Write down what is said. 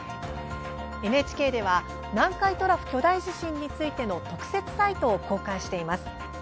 ＮＨＫでは南海トラフ巨大地震についての特設サイトを公開しています。